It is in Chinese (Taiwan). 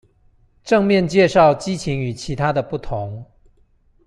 正面介紹激情與其他的不同